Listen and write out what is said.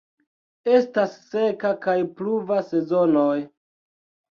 Estas seka kaj pluva sezonoj.